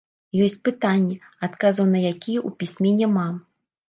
Ёсць пытанні, адказаў на якія ў пісьме няма.